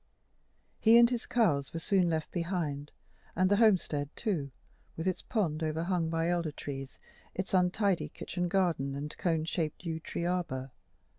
He and his cows were soon left behind, and the homestead, too, with its pond overhung by elder trees, its untidy kitchen garden and cone shaped yew tree arbor.